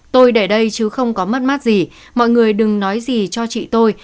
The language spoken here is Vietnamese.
tôi để đây chứ không có mất mát gì mọi người đừng nói gì cho chị tôi